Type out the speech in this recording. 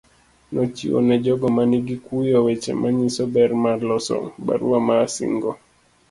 Nochiwo ne jogo ma nigi kuyo weche manyiso ber mar loso barua mar singo.